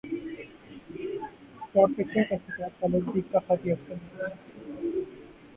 spot fixing تحقیقات خالد لطیف کا خط یکسر مسترد